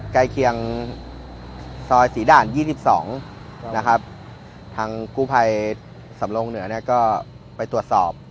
ใกล้เคียงซอยสี่ด่านยี่สิบสองนะครับทางกู้ภัยสำรงค์เหนือเนี้ยก็ไปตรวจสอบ